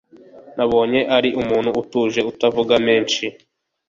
nabonye ari umuntu utuje utavuga menshi